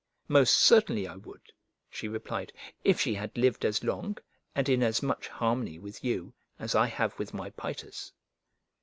"Most certainly I would," she replied, "if she had lived as long, and in as much harmony with you, as I have with my Paetus."